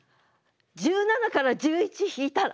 １７から１１引いたら？